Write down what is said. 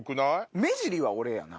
目尻は俺やな。